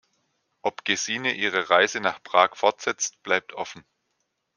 Ob Gesine ihre Reise nach Prag fortsetzt, bleibt offen.